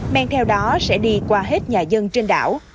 men theo đó sẽ đi qua hết nhà dân trên đảo